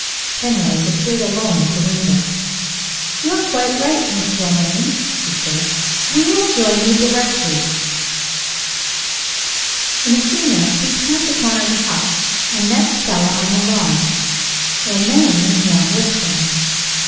Penrose appeared alone at the window. "You are quite right, Mrs. Romayne," he said; "we will join you directly." In a few minutes he turned the corner of the house, and met Stella on the lawn. Romayne was not with him.